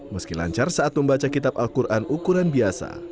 meski lancar saat membaca kitab al quran ukuran biasa